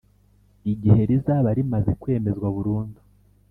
igihe rizaba rimaze kwemezwa burundu.